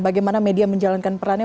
bagaimana media menjalankan perannya